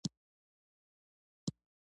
عطرونه د مختلفو فصلونو سره تناسب لري.